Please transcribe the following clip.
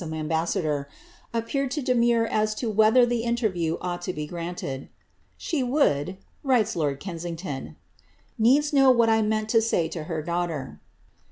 HENRIETTA MARIA. 17 mmbassador, appeared to demur as to whether the interview ought to be granted. ^' She would,^^ writes lord Kensington,' ^^ needs know what 1 meant Co say to her daughter.